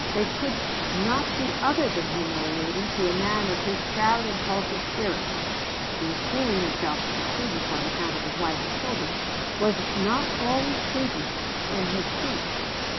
They could not be other than humiliating to a man of his proud, impulsive spirit, who, schooling himself to prudence on account of his wife and children, was not always prudent in his speech.